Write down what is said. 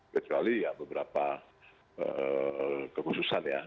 kecuali ya beberapa keputusan ya